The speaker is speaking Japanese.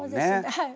はい！